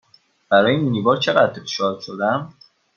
برای مینی بار چقدر شارژ شدم؟